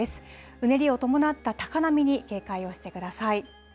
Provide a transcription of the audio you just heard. うねりを伴った高波に警戒をしてください。